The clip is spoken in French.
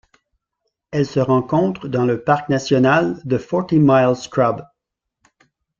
Elle se rencontre dans le parc national de Forty Mile Scrub.